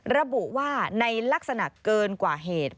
ระบุว่าในลักษณะเกินกว่าเหตุ